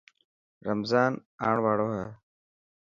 رمضان آن واڙو هي.